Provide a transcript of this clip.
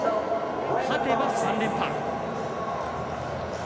勝てば３連覇。